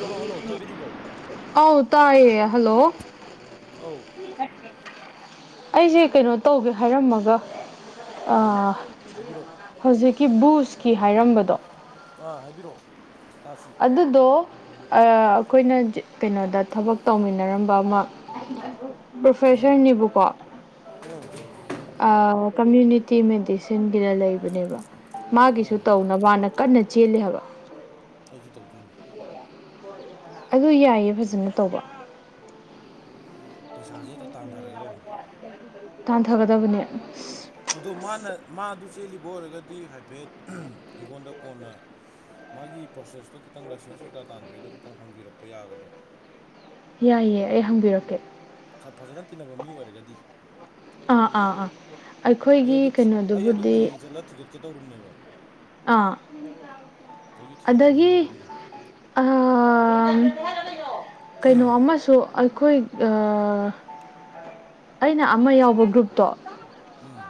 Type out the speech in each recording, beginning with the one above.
Hello hello ꯇꯥꯕꯤꯔꯤꯕꯧ ꯑꯧ ꯇꯥꯏꯌꯦ hello ꯑꯧ ꯑꯩꯁꯦ ꯀꯩꯅꯣ ꯇꯧꯒꯦ ꯍꯥꯏꯔꯝꯃꯒ ꯀꯔꯤ ꯍꯥꯏꯕꯤꯔꯛꯑꯣ ꯍꯧꯖꯤꯛꯀꯤ ꯕꯨꯁꯀꯤ ꯍꯥꯏꯔꯝꯕꯗꯣ ꯑꯥ ꯍꯥꯏꯕꯤꯔꯛꯑꯣ ꯇꯥꯁꯤ ꯑꯗꯨꯗꯣ ꯑꯩꯈꯣꯏꯅ ꯀꯩꯅꯣꯗ ꯊꯕꯛ ꯇꯧꯃꯤꯟꯅꯔꯝꯕ ꯑꯃ ꯄ꯭ꯔꯣꯐꯦꯁꯔꯅꯤꯕꯨꯀꯣ ꯀꯃ꯭ꯌꯨꯅꯤꯇꯤ ꯃꯦꯗꯤꯁꯤꯟꯒꯤꯗ ꯂꯩꯕꯅꯦꯕ ꯃꯥꯒꯤꯁꯨ ꯇꯧꯅ ꯋꯥꯅ ꯀꯟꯅ ꯆꯦꯜꯂꯤ ꯍꯥꯏꯕ ꯑꯩꯁꯨ ꯇꯧꯗꯣꯏꯅꯤ ꯑꯗꯨ ꯌꯥꯏꯌꯦ ꯐꯖꯅ ꯇꯧꯕ ꯄꯩꯁꯥꯁꯦ ꯍꯦꯛꯇ ꯇꯥꯟꯊꯔꯒꯦꯗꯧ ꯇꯥꯟꯊꯒꯗꯕꯅꯦ ꯑ ꯑꯗꯣ ꯃꯥꯅ ꯃꯥ ꯑꯗꯨ ꯆꯦꯜꯂꯤꯕ ꯑꯣꯏꯔꯒꯗꯤ ꯍꯥꯏꯐꯦꯠ ꯑꯩꯉꯣꯟꯗ ꯀꯣꯟꯅ ꯃꯥꯒꯤ ꯄ꯭ꯔꯣꯁꯦꯁꯇꯣ ꯈꯤꯇꯪ ꯂꯥꯏꯁꯦꯟꯁ ꯀꯩꯀꯥ ꯇꯥꯟꯕꯩꯗꯣ ꯈꯤꯇꯪ ꯍꯪꯕꯤꯔꯛꯄ ꯌꯥꯒꯗ꯭ꯔꯣ ꯌꯥꯏꯌꯦ ꯑꯩ ꯍꯪꯕꯤꯔꯛꯀꯦ ꯈ ꯐꯖꯅ ꯇꯤꯟꯅꯕ ꯃꯤ ꯑꯣꯏꯔꯒꯗꯤ ꯑꯥ ꯑꯥ ꯑꯥ ꯑꯩ ꯑꯩꯈꯣꯏꯒꯤ ꯑꯩ ꯑꯗꯨ ꯀꯩꯅꯣꯗꯨꯕꯨꯗꯤ ꯍꯌꯦꯡ ꯆꯠꯂ ꯊꯤꯒꯠꯀꯦ ꯇꯧꯔꯨꯝꯅꯦꯕ ꯑꯥ ꯑꯩꯁꯨ ꯑꯗꯒꯤ ꯊꯤꯒꯠꯅꯤꯡꯉꯤꯅꯦꯕ ꯑꯗꯨꯏꯗꯣ ꯑ ꯀꯩꯅꯣ ꯑꯃꯁꯨ ꯑꯩꯈꯣꯏ ꯑꯩꯅ ꯑꯃ ꯌꯥꯎꯕ ꯒ꯭ꯔꯨꯞꯇꯣ ꯎꯝ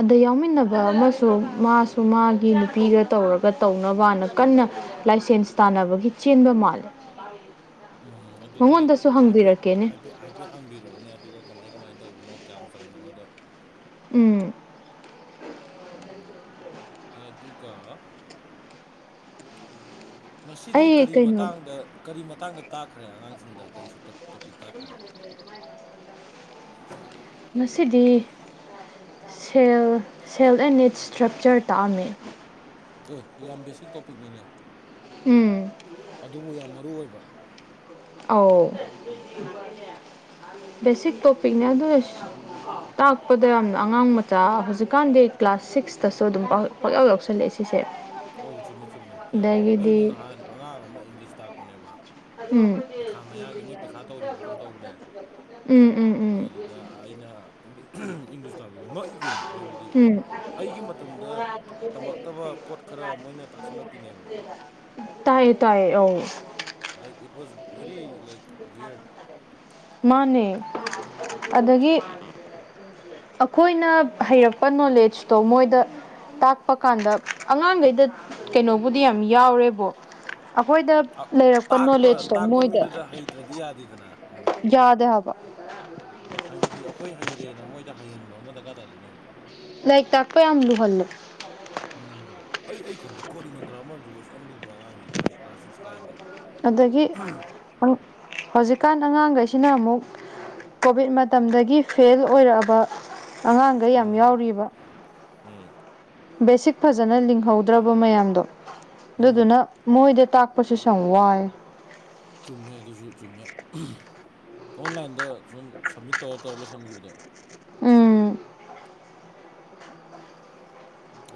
ꯑꯗ ꯌꯥꯎꯃꯤꯟꯅꯕ ꯑꯃꯁꯨ ꯃꯥꯁꯨ ꯃꯥꯒꯤ ꯅꯨꯄꯤꯒ ꯇꯧꯔꯒ ꯇꯧꯅꯕꯅ ꯀꯟꯅ ꯂꯥꯏꯁꯦꯟꯁ ꯇꯥꯟꯅꯕꯒꯤ ꯆꯦꯟꯕ ꯃꯥꯜꯂꯤ ꯎꯝ ꯑꯗꯨꯗꯤ ꯍꯥꯏꯐꯦꯠ ꯍꯥꯏꯐꯦꯠ ꯍꯥꯏꯐꯦꯠ ꯍꯥꯡꯕꯤꯔꯛꯑꯣꯅꯦ ꯑꯗꯨꯒ ꯀꯃꯥꯏ ꯀꯃꯥꯏꯅ ꯇꯧꯕꯅꯣ ꯀꯌꯥꯝ ꯆꯪꯕꯅꯣꯗꯣ ꯎꯝ ꯑꯗꯨꯒ ꯉꯁꯤꯗꯤ ꯑꯩ ꯀꯔꯤ ꯀꯩꯅꯣ ꯃꯇꯥꯡꯗ ꯀꯔꯤ ꯃꯇꯥꯡꯗ ꯇꯥꯛꯈ꯭ꯔꯦ ꯑꯉꯥꯡꯁꯤꯡꯗ ꯀꯔꯤꯁꯨ ꯇꯣꯄꯤꯛ ꯇꯥꯈ꯭ꯔꯦ ꯉꯁꯤꯗꯤ cell cell and its structure ꯇꯥꯛꯑꯝꯃꯤ ꯑꯦ ꯌꯥꯝ ꯕꯦꯁꯤꯛ ꯇꯣꯄꯤꯛꯅꯤꯅꯦ ꯎꯝ ꯑꯗꯨꯕꯨ ꯌꯥꯝ ꯃꯔꯨ ꯑꯣꯏꯕ ꯑ ꯕꯦꯁꯤꯛ ꯇꯣꯄꯤꯛꯅꯦ ꯑꯗꯨ ꯇꯄꯗ ꯌꯥꯝ ꯑꯣ ꯑꯉꯥꯡ ꯃꯆꯥ ꯍꯧꯖꯤꯛꯀꯥꯟꯗꯤ ꯀ꯭ꯂꯥꯁ ꯁꯤꯛꯁꯇꯁꯨ ꯑꯗꯨꯝ ꯄꯥꯛꯂꯎ ꯌꯥꯎꯁꯜꯂꯛꯑꯦ ꯁꯤꯁꯦ ꯑꯧ ꯆꯨꯝꯃꯦ ꯆꯨꯝꯃꯦ ꯌꯥꯎꯋꯦ ꯑꯩꯅ ꯑꯗꯒꯤꯗꯤ ꯅꯍꯥꯟ ꯑꯉꯥꯡ ꯑꯃ ꯏꯪꯂꯤꯁ ꯇꯥꯛꯄꯅꯦꯕ ꯄꯩꯈꯥ ꯎꯝ ꯃꯌꯥꯒꯤ ꯃꯣꯏ ꯄꯩꯈꯥ ꯎꯝ ꯇꯧꯔꯤꯕ꯭ꯔꯥ ꯀꯩꯅꯣꯝ ꯎꯝ ꯎꯝ ꯑꯗ ꯑꯩꯅ ꯏꯪꯂꯤꯁ ꯇꯥꯕꯗꯣ ꯉꯛꯏ ꯀꯣꯏꯩꯅꯣ ꯍꯥꯏꯕꯗꯤ ꯎꯝ ꯑꯩꯒꯤ ꯃꯇꯝꯗ ꯇꯝꯂꯛꯇꯕ ꯄꯣꯠ ꯈꯔ ꯃꯣꯏꯅ ꯇꯥꯛꯁꯜꯂꯛꯄꯤꯅꯦꯕ ꯇꯥꯏꯌꯦ ꯇꯥꯏꯌꯦ ꯑ like it was very like ꯌꯔ ꯃꯥꯅꯦ ꯑꯗꯒꯤ ꯑꯩꯈꯣꯏꯅ ꯍꯩꯔꯛꯄ ꯅꯣꯂꯦꯖꯇꯣ ꯃꯣꯏꯗ ꯇꯥꯛꯄ ꯀꯥꯟꯗ ꯑꯉꯥꯡꯈꯩꯗ ꯀꯩꯅꯣꯕꯨꯗꯤ ꯌꯥꯝ ꯌꯥꯎꯔꯦꯕꯣ ꯑꯩꯈꯣꯏꯗ ꯂꯩꯔꯛꯄ ꯅꯣꯂꯦꯖꯇꯣ ꯃꯣꯏꯗ ꯇ꯭ꯗꯗꯤꯌꯥꯗꯤꯗꯅ ꯌꯥꯗ ꯍꯥꯏꯕ ꯍꯥꯏꯕꯗꯤ ꯑꯩꯈꯣꯏ ꯍꯩꯔꯦꯅ ꯃꯣꯏꯗ ꯍꯩꯍꯟꯕ ꯑꯃ ꯗꯔꯀꯥꯔ ꯇꯥꯗꯣꯏꯅꯦꯕ ꯂꯥꯏꯔꯤꯛ ꯇꯥꯛꯄ ꯌꯥꯝ ꯂꯨꯍꯜꯂꯣ ꯎꯝ ꯑꯩ ꯑꯩ ꯈꯣꯜꯂꯤ ꯈꯣꯔꯤꯅꯣ ꯒ꯭ꯔꯥꯃꯔꯁꯤꯕꯨꯁ ꯌꯥꯝ ꯂꯨꯕ꯭ꯔꯥ ꯑꯉꯥꯡꯁꯤꯗ ꯑꯃꯨꯛ ꯀ꯭ꯂꯥꯁ ꯁꯤꯛꯁ ꯀꯥꯏꯅꯤ ꯑꯗꯒꯤ ꯍꯧꯖꯤꯛꯀꯥꯟ ꯑꯉꯥꯡꯈꯩꯁꯤꯅ ꯑꯃꯨꯛ ꯀꯣꯚꯤꯠ ꯃꯇꯝꯗꯒꯤ ꯐꯦꯜ ꯑꯣꯏꯔꯛꯑꯕ ꯑꯉꯥꯡꯒ ꯌꯥꯝ ꯎꯝ ꯌꯥꯎꯔꯤꯕ ꯎꯝ ꯕꯦꯁꯤꯛ ꯐꯖꯅ ꯂꯤꯡꯍꯧꯗ꯭ꯔꯕ ꯃꯌꯥꯝꯗꯣ ꯎꯝ ꯑꯗꯨꯗꯨꯅ ꯃꯣꯏꯗ ꯇꯥꯛꯄꯁꯨ ꯁ ꯌꯥꯝ ꯋꯥꯏ ꯆꯨꯝꯃꯦ ꯑꯗꯨꯁꯨ ꯆꯨꯝꯃꯦ ꯑꯣꯟꯂꯥꯏꯟꯗ ꯁꯨꯝ ꯁꯕꯃꯤꯠ ꯇꯧꯔ ꯇꯧꯔ ꯂꯣꯏꯁꯤꯟꯈꯤꯕꯗꯣ ꯎꯝ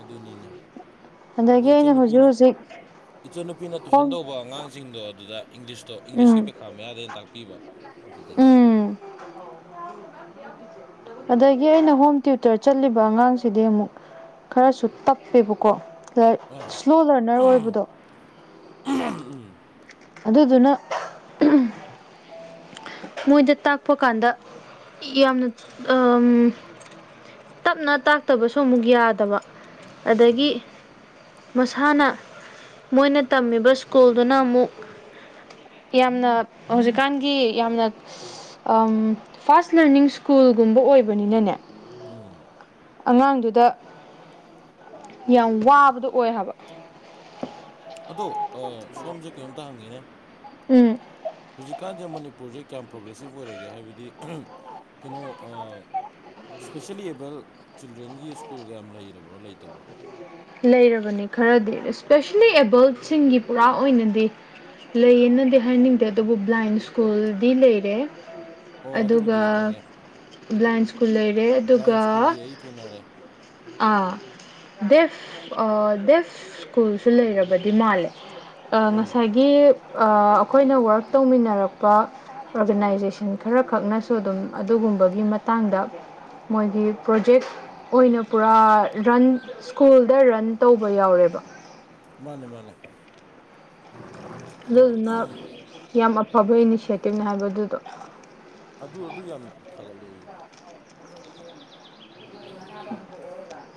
ꯑꯗꯨꯅꯤꯅꯦ ꯑꯗꯒꯤ ꯑꯩꯈꯣꯏ ꯑꯩꯅ ꯍꯧꯖꯤꯛ ꯏꯆꯟꯅꯨꯄꯤꯅ ꯍꯧꯖꯤꯛ ꯏꯆꯟꯅ ꯅꯨꯄꯤꯅ ꯇꯨꯏꯁꯟ ꯍꯣꯝ ꯇꯧꯕ ꯑꯉꯥꯡꯁꯤꯡꯗꯣ ꯑꯗꯨꯗ ꯏꯪꯂꯤꯁꯇꯣ ꯏꯪꯂꯤꯁꯀꯤꯩ ꯎꯝ ꯄꯩꯈꯥ ꯃꯌꯥꯗꯩꯅ ꯇꯥꯛꯄꯤꯕ ꯑꯗꯨꯗꯅꯤꯗ ꯎꯝ ꯑꯗꯒꯤ ꯑꯩꯅ ꯍꯣꯝ ꯇ꯭ꯌꯨꯇꯔ ꯆꯠꯂꯤꯕ ꯑꯉꯥꯡꯁꯤꯗꯤ ꯑꯃꯨꯛ ꯈꯔꯁꯨ ꯇꯞꯄꯦꯕꯀꯣ ꯑꯥ ꯁ꯭ꯂꯣ ꯂꯔꯅꯔ ꯑꯣꯏꯕꯗꯣ ꯎꯝ ꯑꯗꯨꯗꯨꯅ ꯃꯣꯏꯗ ꯇꯥꯛꯄ ꯀꯥꯟꯗ ꯌꯥꯝꯅ ꯇꯞꯅ ꯇꯥꯛꯇꯕꯁꯨ ꯑꯃꯨꯛ ꯌꯥꯗꯕ ꯑꯗꯒꯤ ꯆꯨꯝꯃꯦ ꯃꯁꯥꯅ ꯃꯣꯏꯅ ꯇꯝꯃꯤꯕ ꯁ꯭ꯀꯨꯜꯗꯨꯅ ꯑꯃꯨꯛ ꯌꯥꯝꯅ ꯍꯧꯖꯤꯛꯀꯥꯟꯒꯤ ꯌꯥꯝꯅ ꯐꯥꯁ ꯂꯔꯅꯤꯡ ꯁ꯭ꯀꯨꯜꯒꯨꯝꯕ ꯑꯣꯏꯕꯅꯤꯅꯅꯦ ꯎꯝ ꯑꯉꯥꯡꯗꯨꯗ ꯌꯥꯝ ꯋꯥꯕꯗꯣ ꯑꯣꯏ ꯍꯥꯏꯕ ꯑꯗꯣ ꯁꯣꯝꯁꯦ ꯀꯩꯅꯣꯝꯇ ꯍꯪꯉꯤꯅꯦ ꯎꯝ ꯍꯧꯖꯤꯛꯀꯥꯟꯗ ꯃꯅꯤꯄꯨꯔꯁꯦ ꯀꯌꯥꯝ ꯄ꯭ꯔꯣꯒ꯭ꯔꯦꯁꯤꯞ ꯑꯣꯏꯔꯒꯦ ꯍꯥꯏꯕꯗꯤ ꯀꯩꯅꯣ ꯁ꯭ꯄꯦꯁꯦꯜꯂꯤ ꯑꯦꯕꯜ ꯆꯤꯜꯗ꯭ꯔꯦꯟꯒꯤ ꯁ꯭ꯀꯨꯜꯒ ꯌꯥꯝ ꯂꯩꯔꯕ꯭ꯔꯣ ꯂꯩꯇꯕ꯭ꯔꯣ ꯂꯩꯔꯕꯅꯤ ꯈꯔꯗꯤ ꯏꯁꯄꯦꯁꯦꯜꯂꯤ ꯑꯦꯕꯜꯠꯁꯤꯡꯒꯤ ꯄꯨꯔꯥ ꯑꯣꯏꯅꯗꯤ ꯂꯩꯌꯦꯅꯗꯤ ꯍꯥꯏꯅꯤꯡꯗꯦ ꯑꯗꯨꯕꯨ ꯕ꯭ꯂꯥꯏꯟ ꯁ꯭ꯀꯨꯜꯗꯤ ꯂꯩꯔꯦ ꯑꯣ ꯑꯗꯨꯕꯨꯗꯤ ꯑꯗꯨꯒ ꯑꯩ ꯈꯪꯉꯦ ꯕ꯭ꯂꯥꯏꯟ ꯁ꯭ꯀꯨꯜ ꯂꯩꯔꯦ ꯑꯗꯨꯒ ꯕ꯭ꯂꯥꯏꯟ ꯁ꯭ꯀꯨꯜꯗꯤ ꯑꯩ ꯊꯦꯡꯅꯔꯦ ꯗꯦꯐ ꯗꯦꯐ ꯁ꯭ꯀꯨꯜꯁꯨ ꯂꯩꯔꯕꯗꯤ ꯃꯥꯜꯂꯦ ꯑꯧ ꯉꯁꯥꯏꯒꯤ ꯑꯩꯈꯣꯏꯅ ꯔꯛ ꯇꯧꯃꯤꯟꯅꯔꯛꯄ ꯑꯣꯔꯒꯅꯥꯏꯖꯦꯁꯟ ꯈꯔꯈꯛꯅꯁꯨ ꯑꯗꯨꯝ ꯑꯗꯨꯒꯨꯝꯕꯒꯤ ꯃꯇꯥꯡꯗ ꯃꯣꯏꯒꯤ ꯄ꯭ꯔꯣꯖꯦꯛ ꯑꯣꯏꯅ ꯄꯨꯔꯥ ꯔꯟ ꯁ꯭ꯀꯨꯜꯗ ꯔꯟ ꯇꯧꯕ ꯌꯥꯎꯔꯦꯕ ꯃꯥꯅꯦ ꯃꯥꯅꯦ ꯑꯗꯨꯗꯨꯅ ꯌꯥꯝ ꯑꯐꯕ ꯏꯅꯤꯁꯦꯇꯤꯞꯅꯦ ꯍꯥꯏꯕ ꯑꯗꯨꯗꯣ ꯑꯗꯨ ꯑꯗꯨ ꯌꯥꯝ ꯊꯥꯒꯠꯂꯛꯦ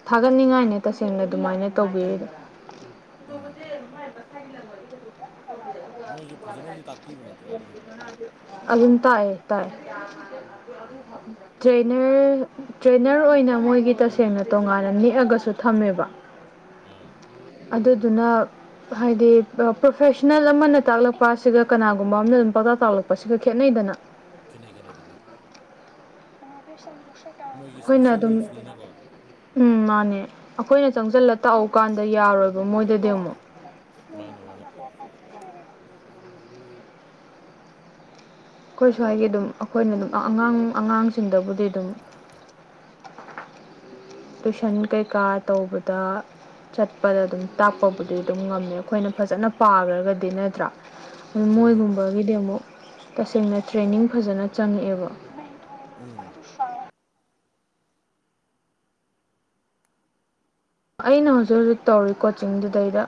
ꯊꯥꯒꯠꯅꯤꯡꯉꯥꯏꯅꯦ ꯇꯁꯦꯡꯅ ꯑꯗꯨꯃꯥꯏꯅ ꯇꯧꯕꯤꯔꯤꯗꯣ꯫ ꯎꯝ ꯃꯣꯏꯁꯦ ꯐꯖꯅꯗꯤ ꯇꯥꯛꯄꯤꯕ ꯅꯠꯇ꯭ꯔꯣ ꯑꯗꯨꯝ ꯅꯪ ꯑꯗꯨꯝ ꯎꯕ꯭ꯔꯣ ꯇꯥꯛꯦ ꯇꯥꯛꯦ ꯑꯣ ꯇ꯭ꯔꯦꯅꯔ ꯇ꯭ꯔꯦꯅꯔ ꯑꯣꯏꯅ ꯃꯣꯏꯒꯤ ꯇꯁꯦꯡꯅ ꯇꯣꯉꯥꯟꯅ ꯅꯦꯛꯑꯒꯁꯨ ꯊꯝꯃꯦꯕ꯫ ꯑꯝ ꯑꯗꯨꯗꯨꯅ ꯍꯥꯏꯗꯤ ꯄ꯭ꯔꯣꯐꯦꯁꯅꯦꯜ ꯑꯃ ꯅ ꯇꯥꯛꯂꯛꯄ ꯑꯁꯤꯒ ꯀꯅꯥꯒꯨꯝꯕ ꯑꯃꯅ ꯑꯗꯨꯝ ꯄꯨꯡꯇꯥꯛ ꯇꯥꯛꯂꯛꯄꯁꯤꯒ ꯈꯦꯠꯅꯩꯗꯅ꯫ ꯈꯦꯅꯩ ꯈꯦꯅꯩ ꯈꯦꯩ꯫ ꯃꯥꯁ ꯁꯥ ꯀ [inaudible] ꯃꯣꯏꯒꯤ ꯁ꯭ꯄꯦꯁꯦꯜ ꯅꯤꯟꯁꯅꯤꯅꯀꯣ꯫ ꯎꯝ ꯃꯥꯅꯦ ꯑꯩꯈꯣꯏꯅ ꯆꯪꯁꯤꯜꯂ ꯇꯥꯛꯎ ꯀꯥꯟꯗ ꯌꯥꯔꯣꯏꯕ ꯃꯣꯏꯗꯗꯤ ꯑꯃꯨꯛ ꯃꯥꯅꯦ ꯃꯥꯅꯦ ꯑꯩꯈꯣꯏꯁꯨ꯭ꯋꯥꯏꯒꯤ ꯑꯗꯨꯝ ꯑꯩꯈꯣꯏꯅ ꯑꯗꯨꯝ ꯑꯉꯥꯡ ꯑꯉꯥꯡꯁꯤꯡꯗꯕꯨꯗꯤ ꯑꯗꯨꯝ ꯇꯨꯏꯁꯟ ꯀꯩꯀꯥ ꯇꯧꯕꯗ ꯆꯠꯄꯗ ꯑꯗꯨꯝ ꯇꯥꯛꯄꯕꯨꯗꯤ ꯑꯗꯨꯝ ꯉꯝꯃꯦꯕ ꯑꯩꯈꯣꯏꯅ ꯐꯖꯅ ꯄꯥꯈ꯭ꯔꯒꯗꯤ ꯅꯠꯇ꯭ꯔꯥ ꯑꯗꯨ ꯆꯨꯝꯃꯦ ꯃꯣꯏꯒꯨꯝꯕꯒꯤꯗꯤ ꯑꯃꯨꯛ ꯇꯁꯦꯡꯅ ꯇ꯭ꯔꯦꯅꯤꯡ ꯐꯖꯅ ꯆꯪꯉꯛꯑꯦꯕ ꯎꯝ ꯑꯩꯅ ꯍꯧꯖꯤꯛ ꯍꯧꯖꯤꯛ ꯇꯧꯔꯤ ꯀꯣꯆꯤꯡꯗꯨꯗꯩꯗ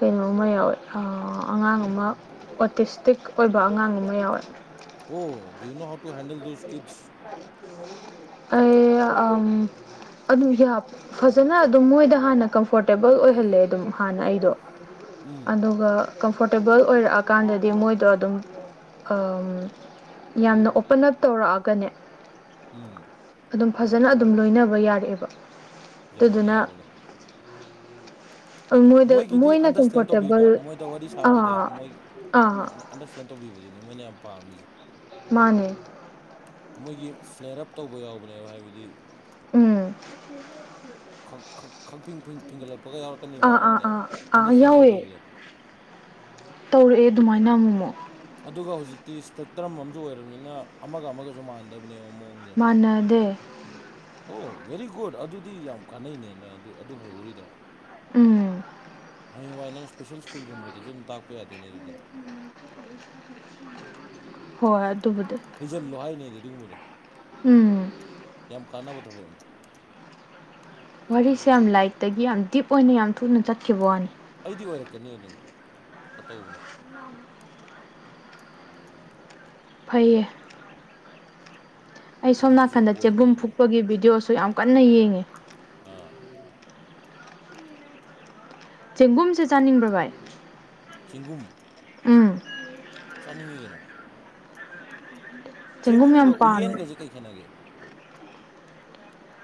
ꯀꯩꯅꯣꯃ ꯌꯥꯎꯋꯦ ꯑꯉꯥꯡ ꯑꯃ ꯑꯣꯇꯤꯁꯇꯤꯛ ꯑꯣꯏꯕ ꯑꯉꯥꯡ ꯑꯃ ꯌꯥꯎꯋꯦ ꯑꯣ ꯗꯨꯌꯨꯅꯣ how to handle those kids ꯑꯩ ꯑꯝ ꯑꯗꯨ ꯐꯖꯅ ꯑꯗꯨꯝ ꯃꯣꯏꯗ ꯍꯥꯟꯅ ꯀꯝꯐꯣꯔꯇꯦꯕꯜ ꯑꯣꯏꯍꯜꯂꯦ ꯑꯗꯨꯝ ꯍꯥꯟꯅ ꯑꯩꯗꯣ ꯎꯝ ꯑꯗꯨꯒ ꯀꯝꯐꯣꯔꯇꯦꯕꯜ ꯑꯣꯏꯔꯛꯑꯀꯥꯟꯗꯗꯤ ꯃꯣꯏꯗꯣ ꯑꯗꯨꯝ ꯑꯝ ꯌꯥꯝꯅ ꯑꯣꯄꯟ ꯑꯞ ꯇꯧꯔꯛꯑꯒꯅꯦ ꯎꯝ ꯑꯗꯨꯝ ꯐꯖꯅ ꯑꯗꯨꯝ ꯂꯣꯏꯅꯕ ꯌꯥꯔꯛꯑꯦꯕ꯫ ꯌꯥꯕꯅꯦ ꯑꯗꯨꯗꯨꯅ ꯌꯥꯕꯅꯦ ꯃꯣꯏꯗ ꯃꯣꯏꯒꯤꯗꯤ ꯃꯣꯏꯅ ꯑꯟꯗꯔꯁꯇꯦꯟ ꯇꯧꯕꯤꯕ ꯀꯝꯐꯣꯔꯇꯦꯕꯜ ꯃꯣꯏꯗ ꯋꯥꯔꯤ ꯁꯥꯕꯗ ꯑꯥ ꯃꯣꯏ ꯑꯥ ꯑꯟꯗꯔꯁꯇꯦꯟ ꯇꯧꯕꯤꯕꯗꯨꯅꯤ ꯃꯣꯏꯅ ꯌꯥꯝ ꯄꯥꯝꯃꯤꯁꯦ꯫ ꯃꯥꯅꯦ ꯃꯣꯏꯒꯤ ꯐ꯭ꯂꯦꯔꯞ ꯇꯧꯕ ꯌꯥꯎꯕꯅꯦꯕ ꯍꯥꯏꯕꯗꯤ ꯎꯝ ꯈꯥ ꯈꯥ ꯈꯥꯡꯐꯤꯡ ꯐꯤꯡꯒꯠꯂꯛꯄꯒ ꯌꯥꯎꯔ꯫ ꯑꯥ ꯑꯥ ꯑꯥ ꯑꯥ ꯌꯥꯎꯑꯦ ꯇꯧꯔꯛꯑꯦ ꯑꯗꯨꯃꯥꯏꯅ ꯑꯃꯨꯛꯃꯛ꯫ ꯑꯗꯨꯒ ꯍꯧꯖꯤꯛꯇꯤ ꯏꯁꯄꯦꯛꯇ꯭ꯔꯝ ꯑꯃꯖꯨ ꯑꯣꯏꯔꯕꯅꯤꯅ ꯑꯃꯒ ꯑꯃꯒꯁꯨ ꯃꯥꯟꯅꯗꯕꯅꯦꯕ ꯃꯑꯣꯡꯗ꯫ ꯃꯥꯅꯗꯦ ꯑꯣ ꯕꯦꯔꯤꯒꯨꯗ ꯑꯗꯨꯗꯤ ꯌꯥꯝ ꯀꯥꯟꯅꯩꯅꯦꯅ ꯑꯗꯨ ꯑꯗꯨ ꯍꯩꯍꯧꯔꯤꯗꯣ꯫ ꯎꯝ ꯍꯌꯦꯡꯋꯥꯏ ꯅꯪ ꯏꯁꯄꯦꯁꯦꯜ ꯁ꯭ꯀꯨꯜꯒꯨꯝꯕꯗ ꯑꯗꯨꯝ ꯇꯥꯛꯄ ꯌꯥꯗꯣꯏꯅꯦ ꯑꯗꯨꯗꯤ꯫ ꯍꯣꯏ ꯑꯗꯨꯕꯨꯗꯤ ꯍꯩꯖꯤꯜꯂꯣ ꯍꯥꯏꯅꯦ ꯑꯩꯗꯤ ꯑꯗꯨꯒꯨꯝꯕꯗꯣ꯫ ꯎꯝ ꯌꯥꯝ ꯀꯥꯟꯅꯕ ꯊꯕꯛꯅꯤ꯫ ꯋꯥꯔꯤꯁꯦ ꯌꯥꯝ ꯂꯥꯏꯛꯇꯒꯤ ꯌꯥꯝ ꯗꯤꯞ ꯑꯣꯏꯅ ꯌꯥꯝ ꯊꯨꯅ ꯆꯠꯈꯤꯕ ꯋꯥꯅꯤ꯫ ꯑꯩꯗꯤ ꯑꯣꯏꯔꯛꯀꯅꯤ ꯑꯗꯨꯅ ꯈꯇꯧꯕꯅꯦ꯫ ꯐꯩꯌꯦ ꯑꯩ ꯁꯣꯝ ꯗꯤꯞꯁꯨ ꯅꯥꯀꯟꯗ ꯑꯣꯏꯗꯦ ꯆꯦꯕꯨꯝ ꯑꯗꯨꯅ ꯐꯨꯛꯄꯒꯤ ꯚꯤꯗꯤꯑꯣꯁꯨ ꯌꯥꯝ ꯀꯟꯅ ꯌꯦꯡꯉꯤ꯫ ꯑꯥ ꯆꯦꯡꯒꯨꯝꯁꯦ ꯆꯥꯅꯤꯡꯕ꯭ꯔ ꯚꯥꯏ꯫ ꯆꯦꯡꯒꯨꯝ ꯎꯝ ꯆꯥꯅꯤꯡꯉꯤ ꯀꯩꯅꯣ꯫ ꯆꯦꯡꯒꯨꯝ ꯌꯥꯝ ꯆꯦꯡꯒꯨꯝꯒ ꯄꯥꯝꯃꯦ ꯎꯌꯦꯟꯒꯁꯦ ꯀꯩ ꯈꯦꯠꯅꯒꯦ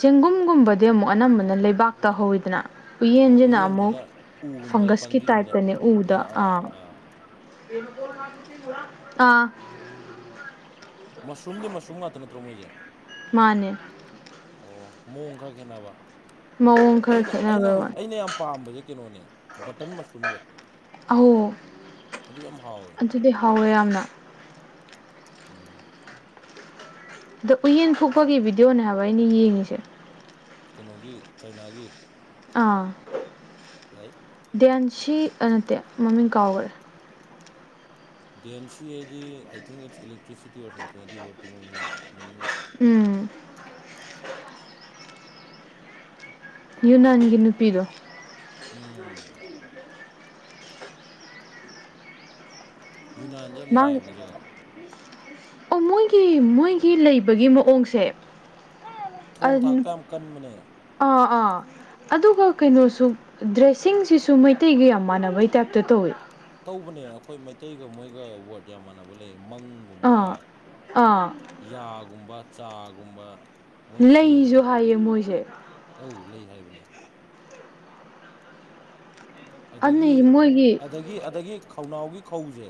ꯆꯦꯡꯒꯨꯝꯒꯨꯝꯕꯗꯤ ꯑꯃꯨꯛ ꯑꯅꯝꯕꯅ ꯂꯩꯕꯥꯛꯇ ꯍꯧꯋꯤꯗꯅ꯫ ꯑꯣ ꯎꯌꯦꯟꯖꯤꯅ ꯑꯃꯨꯛ ꯎꯌꯦꯟꯁꯤꯅ ꯎꯒꯨꯝꯕꯗ ꯐꯪꯒꯁꯀꯤ ꯄꯥꯝꯕꯤꯒꯨꯝꯕꯗ ꯇꯥꯏꯞꯇꯅꯦ ꯎꯗꯥ ꯑꯥ ꯑꯥ ꯑꯥ ꯑꯥ ꯑꯥ ꯃꯁꯔꯨꯝꯗꯤ ꯃꯁꯔꯨꯝ ꯉꯥꯛꯇ ꯅꯠꯇ꯭ꯔꯣ ꯃꯣꯏꯁꯦ ꯃꯥꯅꯦ ꯑꯣ ꯃꯑꯣꯡ ꯈꯔ ꯈꯦꯠꯅꯕ ꯃꯑꯣꯡ ꯈꯔ ꯑꯩꯅ ꯑꯩꯅ ꯈꯦꯠꯅꯕꯩ ꯍꯧ ꯋꯥꯅꯤ ꯑꯩꯅ ꯌꯥꯝ ꯄꯥꯝꯕꯁꯦ ꯀꯩꯅꯣꯅꯦ ꯕꯇꯟ ꯃꯁꯔꯨꯝꯗꯣ ꯑꯧ ꯑꯗꯨ ꯌꯥꯝ ꯍꯥꯎꯋꯦ꯫ ꯑꯗꯨꯗꯤ ꯍꯥꯎꯋꯦ ꯌꯥꯝꯅ꯫ ꯎꯝ ꯑꯗꯨ ꯎꯌꯦꯟ ꯐꯨꯛꯄꯒꯤ ꯚꯤꯗꯤꯑꯣꯅꯦ ꯍꯥꯏꯕ ꯑꯩꯅ ꯌꯦꯡꯉꯤꯁꯦ꯫ ꯀꯩꯅꯣꯒꯤ ꯆꯩꯅꯥꯒꯤ꯫ ꯑꯥ ꯌꯥꯏ ꯗꯦꯟꯁꯤ ꯑꯦ ꯅꯠꯇꯦ ꯃꯃꯤꯡ ꯀꯥꯎꯒꯔꯦ꯫ ꯗꯦꯟꯁꯤ ꯍꯥꯏꯗꯤ I think it's electricity or something ꯑꯗꯨꯎ ꯋꯔꯗꯠꯇꯨꯒꯤ ꯃꯃꯤꯡꯗꯣ ꯃꯤꯅꯤꯡꯗꯣ꯫ ꯎꯝ ꯌꯨꯅꯟꯒꯤ ꯅꯨꯄꯤꯗꯣ ꯎꯝ ꯌꯨꯅꯥꯟꯁꯦ ꯌꯥꯝ ꯃꯥꯡ ꯅꯨꯡꯉꯥꯏꯕꯅꯦ ꯖꯒꯥ [unintelligible] ꯑꯣ ꯃꯣꯏꯒꯤ ꯃꯣꯏꯒꯤ ꯂꯩꯕꯒꯤ ꯃꯑꯣꯡꯁꯦ ꯊꯣꯡ ꯊꯥꯛꯇ ꯌꯥꯝ ꯀꯟꯕꯅꯦ ꯑꯥ ꯑꯥ ꯑꯗꯨꯒ ꯀꯩꯅꯣꯁꯨ ꯗ꯭ꯔꯦꯁꯤꯡꯁꯤꯁꯨ ꯃꯩꯇꯩꯒ ꯌꯥꯝ ꯃꯥꯟꯅꯕꯩ ꯇꯥꯏꯞꯇ ꯇꯧꯋꯦ ꯇꯧꯕꯅꯦ ꯑꯩꯈꯣꯏ ꯃꯩꯇꯩꯒ ꯃꯣꯏꯒ ꯋꯥꯔꯗ ꯌꯥꯝ ꯃꯥꯟꯅꯕ ꯂꯩꯌꯦ ꯃꯪ ꯒꯨꯝꯕ ꯑꯥ ꯑꯥ ꯌꯥꯒꯨꯝꯕ ꯆꯥꯒꯨꯝꯕ ꯃꯣꯏꯁꯨ ꯁꯤꯟꯅꯕꯅꯦ ꯂꯩꯁꯨ ꯍꯥꯏꯌꯦ ꯃꯣꯏꯁꯦ ꯑꯧ ꯂꯩ ꯍꯥꯏꯕꯅꯦ ꯑꯗꯨꯅ ꯑꯗꯒꯤ ꯃꯣꯏꯒꯤ ꯑꯗꯒꯤ ꯑꯗꯒꯤ ꯈꯧꯅꯥꯎꯒꯤ ꯈꯧꯖꯦ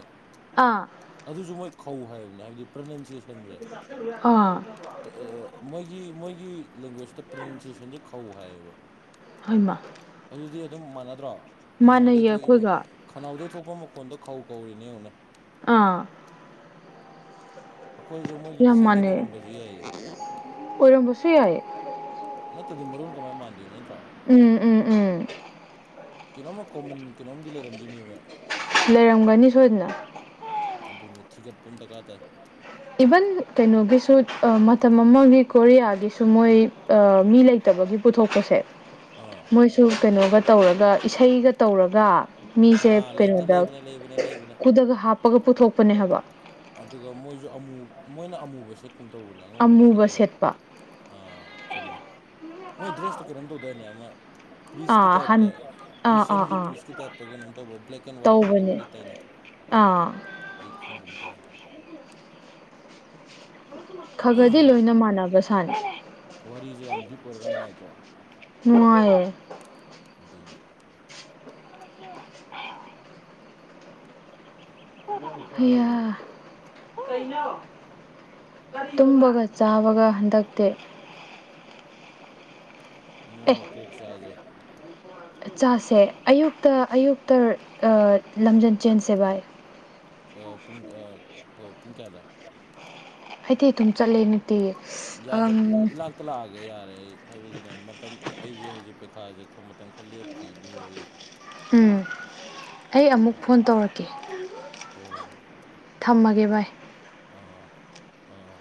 ꯑꯥ ꯑꯗꯨꯁꯨ ꯃꯣꯏ ꯈꯧꯎ ꯍꯥꯏꯕꯅꯤ ꯍꯥꯏꯕꯗꯤ ꯄ꯭ꯔꯅꯟꯁꯤ ꯑꯥ ꯑꯦ ꯑꯦ ꯃꯣꯏꯒꯤ ꯃꯣꯏꯒꯤ ꯂꯦꯡꯒ꯭ꯋꯦꯖꯇ ꯄ꯭ꯔꯅꯟꯁꯦꯁꯟꯁꯦ ꯈꯧ ꯍꯥꯏꯌꯦꯕ ꯍꯩꯃꯥ ꯑꯗꯨꯗꯤ ꯑꯗꯨꯝ ꯃꯥꯟꯅꯗ꯭ꯔꯣ ꯈꯧꯅꯥꯎꯗꯩ ꯃꯥꯟꯅꯩꯌꯦ ꯊꯣꯛꯏꯕ ꯑꯩꯈꯣꯏꯒ ꯈꯅꯥꯎꯗꯩ ꯊꯣꯛꯄ ꯃꯈꯣꯟꯗꯣ ꯈꯧ ꯀꯧꯔꯤꯅꯦ ꯌꯦꯡꯉꯨꯅꯦ ꯑꯥ ꯑꯩꯈꯣꯏꯁꯦ ꯃꯣꯏꯒꯤ ꯌꯥꯝ ꯗꯤꯁꯦꯟꯗꯦꯠ ꯃꯥꯟꯅꯩ ꯑꯣꯏꯔꯝꯕꯁꯨ ꯌꯥꯏꯌꯦ ꯑꯣꯏꯔꯝꯕꯁꯨ ꯌꯥꯏꯌꯦ ꯅꯠꯇꯗꯤ ꯃꯔꯣꯟ ꯀꯃꯥꯏ ꯃꯥꯟꯗꯣꯏꯅꯣ ꯅꯠꯇ꯭ꯔꯣ ꯎꯝ ꯎꯝ ꯎꯝ ꯎꯝ ꯀꯩꯅꯣꯝꯃ ꯀꯣꯃꯟ ꯀꯩꯅꯣꯝꯗꯤ ꯂꯩꯔꯝꯗꯣꯏꯅꯦꯕ ꯂꯩꯔꯝꯒꯅꯤ ꯁꯣꯏꯗꯅ ꯑꯗꯨꯅꯦ ꯊꯤꯒꯠꯄꯝ ꯗꯔꯀꯥꯔ ꯇꯥꯏ ꯏꯕꯟ ꯀꯩꯅꯣꯒꯤꯁꯨ ꯑꯥꯝ ꯃꯇꯝ ꯑꯃꯒꯤ ꯀꯣꯔꯤꯌꯥꯒꯤꯁꯨ ꯃꯣꯏ ꯑꯥꯝ ꯃꯤ ꯂꯩ ꯇꯕꯒꯤ ꯄꯨꯊꯣꯛꯄꯁꯦ ꯑꯥ ꯃꯣꯏꯁꯨ ꯀꯩꯅꯣꯒ ꯇꯧꯔꯒ ꯏꯁꯩꯒ ꯇꯧꯔꯒꯥ ꯃꯤꯁꯦ ꯑꯥ ꯂꯩꯕꯅꯦ ꯀꯩꯅꯣꯗ ꯂꯩꯕꯅꯦ ꯂꯩꯕꯅꯦ ꯂꯩꯕꯅꯦ ꯀꯨꯗꯒ ꯍꯥꯞꯄꯒ ꯄꯨꯊꯣꯛꯄꯅꯦ ꯍꯥꯏꯕ ꯑꯗꯨꯒ ꯃꯣꯏꯖꯨ ꯑꯃꯨ ꯃꯣꯏꯅ ꯑꯃꯨꯕ ꯁꯦꯠꯀꯨꯝ ꯇꯧꯕꯅꯦ ꯑꯉꯧꯕꯗꯤ ꯑꯃꯨꯕ ꯁꯦꯠꯇꯕꯅꯤ ꯁꯦꯠꯄ ꯑꯥ ꯆꯨꯨꯝꯃꯦ ꯃꯣꯏ ꯗ꯭ꯔꯦꯁꯇꯣ ꯀꯩꯅꯣꯝ ꯇꯧꯗꯥꯏꯅꯦ ꯑꯃ ꯄ꯭ꯔꯤꯁꯀꯤ ꯑꯥ ꯇꯥꯏꯞꯇ ꯍꯟ ꯑꯥ ꯑꯥ ꯈ꯭ꯔꯤꯁꯌꯦꯟꯒꯤ ꯑꯥ ꯄ꯭ꯔꯤꯁꯀꯤ ꯇꯥꯏꯞꯇ ꯀꯩꯅꯣꯝ ꯇꯧꯕ ꯕ꯭ꯂꯦꯛ ꯑꯦꯟ ꯋꯥꯏꯠꯇꯔ ꯀꯩꯅꯣꯝ ꯇꯧꯕꯅꯦ ꯂꯤꯠꯇꯥꯏꯅꯦ ꯑꯥ ꯑꯩ ꯈꯪꯒꯨꯝ ꯇꯧꯋꯦ ꯈꯒꯗꯤ ꯂꯣꯏꯅ ꯃꯥꯟꯅꯕꯁꯥꯅꯦ ꯋꯥꯔꯤꯖꯦ ꯌꯥꯝ ꯗꯤꯞ ꯑꯣꯏꯔꯒ ꯅꯨꯡꯉꯥꯏꯇ꯭ꯔꯣ ꯅꯨꯡꯉꯥꯏꯌꯦ ꯑꯗꯨꯅꯦ ꯍꯌꯥ ꯀꯩꯅꯣ ꯇꯨꯝꯕꯒ ꯆꯥꯕꯒ ꯍꯟꯗꯛꯇꯤ ꯑꯦ ꯅꯣꯡꯃ ꯄꯣꯛ ꯆꯥꯥꯖꯦ ꯆꯥꯁꯦ ꯑꯌꯨꯛꯇ ꯑꯌꯨꯛꯇ ꯑꯥ ꯂꯝꯖꯦꯟ ꯆꯦꯟꯁꯦ ꯚꯥꯏ ꯑꯥ ꯄꯨꯡ ꯑꯥ ꯍꯣꯏ ꯄꯨꯡ ꯀꯌꯥꯗ ꯑꯩꯗꯤ ꯑꯗꯨꯝ ꯆꯠꯂꯦ ꯇ [inaudible] ꯌꯥꯗ ꯏꯂ [inaudible] ꯍꯛꯇ ꯂꯥꯛꯑꯒꯦ ꯌꯥꯔꯦ ꯍꯥꯏꯕꯗꯤꯅꯦ ꯃꯇꯝ ꯑꯩꯁꯦ ꯍꯧꯖꯤꯛ ꯄꯩꯈꯥꯁꯦ ꯃꯇꯝ ꯈꯔ ꯂꯦꯞꯈꯤꯅꯤꯕ ꯎꯝ ꯑꯩ ꯑꯃꯨꯛ ꯑꯗꯨ ꯐꯣꯟ ꯍꯣꯏ ꯇꯧꯔꯛꯀꯦ ꯍꯣꯏ ꯍꯣꯏ ꯊꯝꯃꯒꯦ ꯚꯥꯏ ꯑꯥ ꯑꯥ